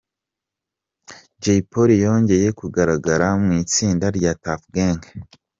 Jay Polly yongeye kugaragara mu itsinda rya Tuff Gang.